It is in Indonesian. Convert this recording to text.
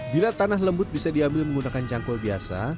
bila tanah lembut bisa diambil menggunakan cangkul biasa